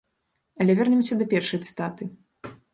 Але вернемся да першай цытаты.